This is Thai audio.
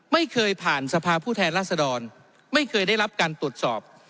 ไม่เคยผ่านสภาผู้แทนราษดรไม่เคยได้รับการตรวจสอบ